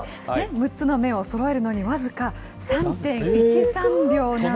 ６つの面をそろえるのに僅か３．１３秒なんです。